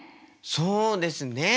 そうですね。